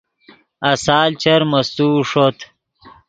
آسال چر مستوؤ ݰوت